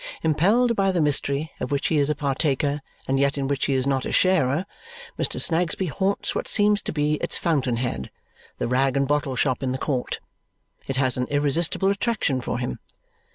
Impelled by the mystery of which he is a partaker and yet in which he is not a sharer, Mr. Snagsby haunts what seems to be its fountain head the rag and bottle shop in the court. It has an irresistible attraction for him.